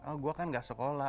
oh saya kan tidak sekolah